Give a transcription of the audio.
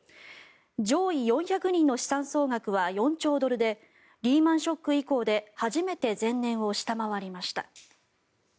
上位４００人の資産総額は４兆ドルでリーマン・ショック以降で初めて前年を下回りました。